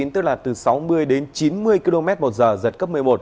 tức là từ sáu mươi đến chín mươi km một giờ giật cấp một mươi một